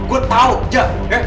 gue tau aja